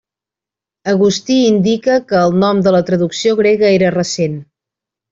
Agustí indica que el nom de la traducció grega era recent.